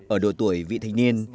ở độ tuổi vị thanh niên